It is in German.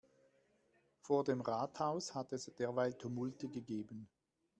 Vor dem Rathaus hat es derweil Tumulte gegeben.